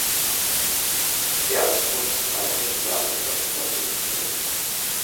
Erst wurden drei regionale Qualifikationsturniere gespielt.